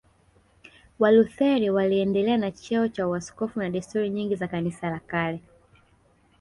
Walutheri waliendelea na cheo cha uaskofu na desturi nyingi za Kanisa la kale